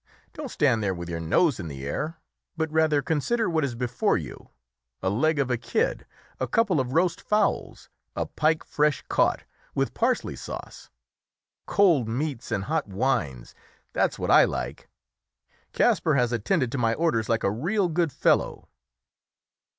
"Don't stand there with your nose in the air, but rather consider what is before you a leg of a kid, a couple of roast fowls, a pike fresh caught, with parsley sauce; cold meats and hot wines, that's what I like. Kasper has attended to my orders like a real good fellow."